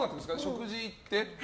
食事行って？